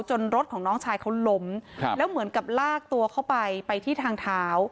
รถของน้องชายเขาล้มแล้วเหมือนกับลากตัวเข้าไปไปที่ทางเท้า